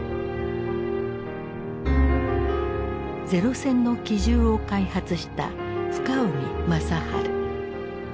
零戦の機銃を開発した深海正治。